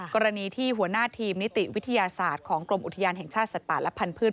กรณีที่หัวหน้าทีมนิติวิทยาศาสตร์ของกรมอุทยานแห่งชาติสัตว์ป่าและพันธุ์